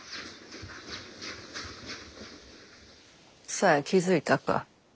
紗江気付いたか？